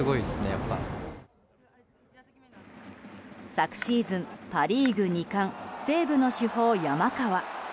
昨シーズン、パ・リーグ２冠西武の主砲、山川。